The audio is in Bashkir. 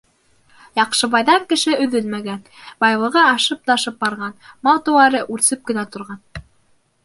Яҡшыбайҙан кеше өҙөлмәгән, байлығы ашып-ташып барған, мал-тыуары үрсеп кенә торған.